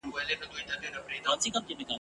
پرېږده نن سبا که د مرګي پر شونډو یاد سمه !.